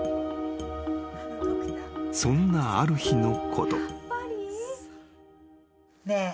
［そんなある日のこと］